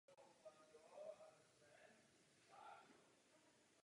Tyto představy byly nepochybně ovlivněny stylem vlády Alexandra Makedonského.